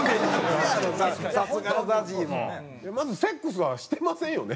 まずセックスはしてませんよね？